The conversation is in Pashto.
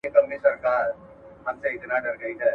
لوږي ځپلي یخني یې وژني ,